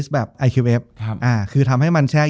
จบการโรงแรมจบการโรงแรม